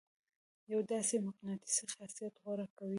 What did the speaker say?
يو داسې مقناطيسي خاصيت غوره کوي.